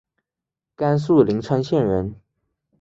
甘肃灵川县人。